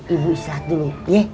ibu istirahat dulu ya